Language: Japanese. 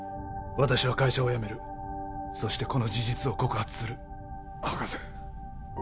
私は会社を辞めるそしてこの事実を告発する博士